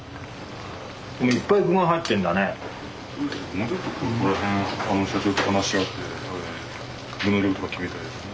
もうちょっとそこら辺社長と話し合って具の量とか決めたいですね。